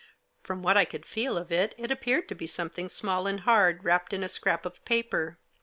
From what I could feel of it, it appeared to be something small and hard, wrapped in a scrap of paper.